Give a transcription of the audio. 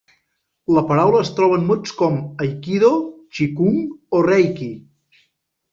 La paraula es troba en mots com aikido, txikung o reiki.